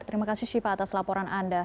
terima kasih shiva atas laporan anda